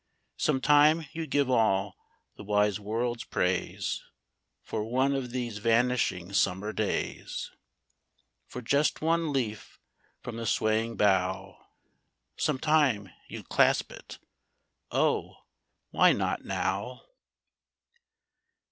Sometime you 'd give all the wise world's praise For one of these vanishing summer days. For just one leaf from the swaying bough, — Sometime you 'd clasp it ; oh, why not now